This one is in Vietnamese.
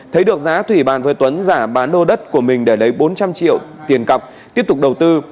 thấy được giá thủy bàn với tuấn giả bán lô đất của mình để lấy bốn trăm linh triệu tiền cọc tiếp tục đầu tư